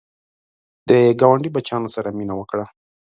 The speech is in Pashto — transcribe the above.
د ګاونډي بچیانو سره مینه وکړه